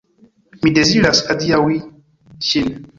Mi deziras adiaŭi ŝin.